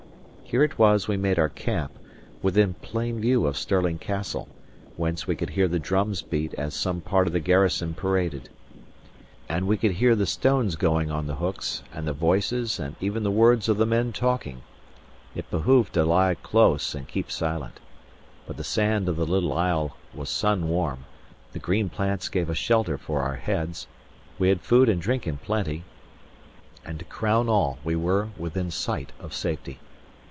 Here it was we made our camp, within plain view of Stirling Castle, whence we could hear the drums beat as some part of the garrison paraded. Shearers worked all day in a field on one side of the river, and we could hear the stones going on the hooks and the voices and even the words of the men talking. It behoved to lie close and keep silent. But the sand of the little isle was sun warm, the green plants gave us shelter for our heads, we had food and drink in plenty; and to crown all, we were within sight of safety.